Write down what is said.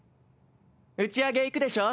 打ち上げ行くでしょ？